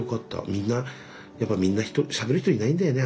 みんなやっぱみんなしゃべる人いないんだよね